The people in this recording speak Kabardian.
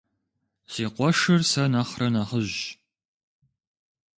Си къуэшыр сэ нэхърэ нэхъыжьщ.